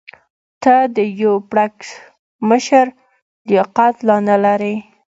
ته د یو پړکمشر لیاقت لا نه لرې.